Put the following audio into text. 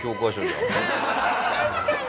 確かに！